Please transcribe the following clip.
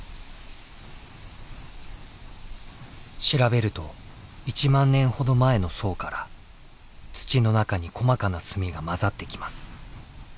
調べると１万年ほど前の層から土の中に細かな炭が混ざってきます。